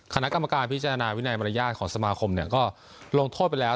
คณะกรรมการพิจารณาวินัยมารยาทของสมาคมก็ลงโทษไปแล้ว